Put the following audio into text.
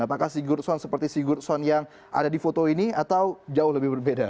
apakah sigurdsson seperti sigurdsson yang ada di foto ini atau jauh lebih berbeda